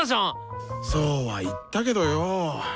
そうは言ったけどよ。